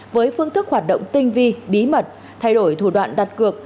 với phương thức hoạt động tinh vi bí mật thay đổi thủ đoạn đặt cược